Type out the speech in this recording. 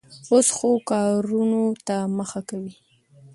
اوس ښو کارونو ته مخه کوي.